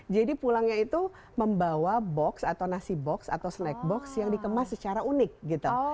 jadi pulangnya itu membawa box atau nasi box atau snack box yang dikemas secara unik gitu